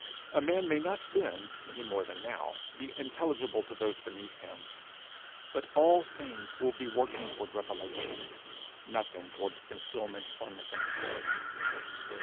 A man may not then, any more than now, be intelligible to those beneath him, but all things will be working toward revelation, nothing toward concealment or misunderstanding.